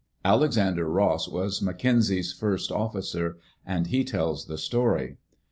Alexander Ross was McKenzie's first officer, and he tells the story.